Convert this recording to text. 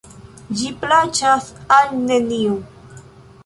Ĝi plaĉas al neniu.